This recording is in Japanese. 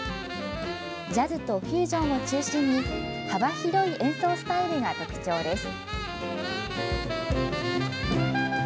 ジャズとフュージョンを中心に幅広い演奏スタイルが特徴です。